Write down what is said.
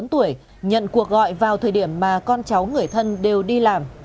người lớn tuổi nhận cuộc gọi vào thời điểm mà con cháu người thân đều đi làm